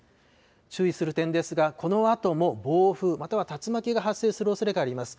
注意する点ですが、このあとも暴風、または竜巻が発生するおそれがあります。